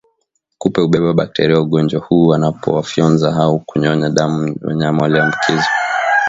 Kupe hubeba bakteria wa ugonjwa huu wanapowafyonza au kunyonya damu wanyama walioambukizwa